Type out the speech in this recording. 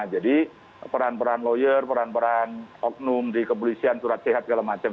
jadi peran peran lawyer peran peran oknum di kepolisian surat sehat dll